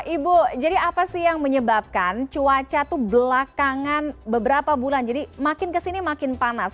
ibu jadi apa sih yang menyebabkan cuaca itu belakangan beberapa bulan jadi makin kesini makin panas